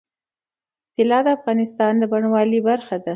طلا د افغانستان د بڼوالۍ برخه ده.